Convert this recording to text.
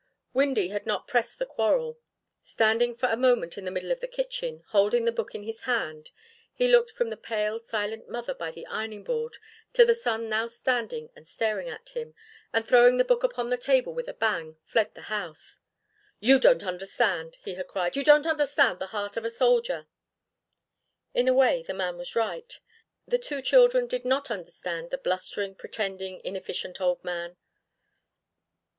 Windy had not pressed the quarrel. Standing for a moment in the middle of the kitchen, holding the book in his hand, he looked from the pale silent mother by the ironing board to the son now standing and staring at him, and, throwing the book upon the table with a bang, fled the house. "You don't understand," he had cried, "you don't understand the heart of a soldier." In a way the man was right. The two children did not understand the blustering, pretending, inefficient old man.